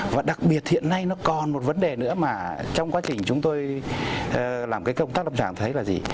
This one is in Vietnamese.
và đặc biệt hiện nay nó còn một vấn đề nữa mà trong quá trình chúng tôi làm cái công tác lâm trạng thấy là gì